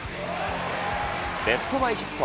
レフト前ヒット。